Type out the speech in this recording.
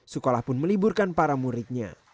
sekolah pun meliburkan para muridnya